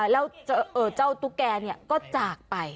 แล้วเจ้าตุ๊กแกก็จากไป